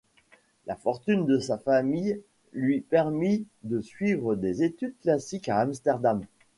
La fortune de sa famille lui permit de suivre des études classiques à Amsterdam.